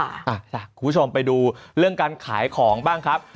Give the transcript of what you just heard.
คุณผู้ชมไปดูเรื่องการขายของบ้างครับ